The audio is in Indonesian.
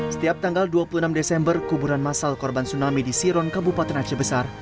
setiap tanggal dua puluh enam desember kuburan masal korban tsunami di siron kabupaten aceh besar